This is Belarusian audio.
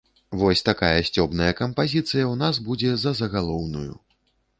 Вось такая сцёбная кампазіцыя ў нас будзе за загалоўную.